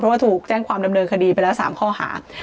เพราะว่าถูกแจ้งความดำเนินคดีไปแล้ว๓ข้อหา